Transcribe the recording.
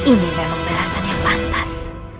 inilah pembelaan yang pantas